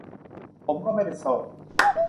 ผมก็ไม่เป็นทรง